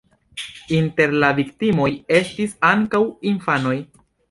Inter la viktimoj estis ankaŭ infanoj.